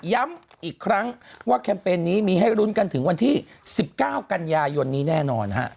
ย้ำอีกครั้งว่าแคมเปญนี้มีให้รุ้นกันถึงวันที่๑๙กันยายนนี้แน่นอนฮะ